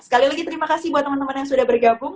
sekali lagi terima kasih buat teman teman yang sudah bergabung